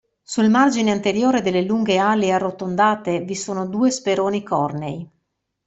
Sul margine anteriore delle lunghe ali arrotondate vi sono due speroni cornei.